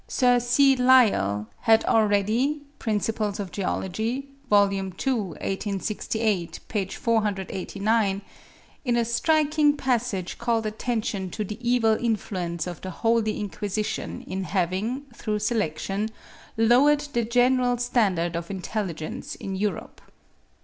Sir C. Lyell had already ('Principles of Geology,' vol. ii. 1868, p. 489), in a striking passage called attention to the evil influence of the Holy Inquisition in having, through selection, lowered the general standard of intelligence in Europe.)